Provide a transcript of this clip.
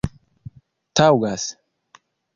taŭgas